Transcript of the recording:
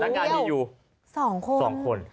นักงานมีอยู่๒คน